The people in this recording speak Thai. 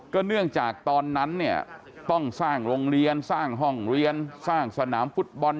เนื่องจากตอนนั้นเนี่ยต้องสร้างโรงเรียนสร้างห้องเรียนสร้างสนามฟุตบอล